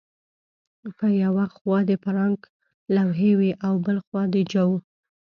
په یوه خوا د فرانک لوحې وې او بل خوا د جو